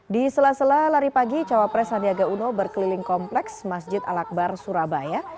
di sela sela lari pagi cawapres sandiaga uno berkeliling kompleks masjid al akbar surabaya